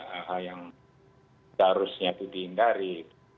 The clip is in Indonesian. hal hal yang seharusnya itu dihindari